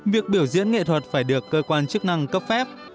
việc biểu diễn nghệ thuật phải được cơ quan chức năng cấp phép